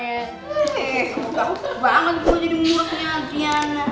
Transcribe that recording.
heheheh bokap banget gue jadi muaknya adriana